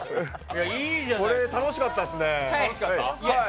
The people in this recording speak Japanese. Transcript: これ楽しかったですね。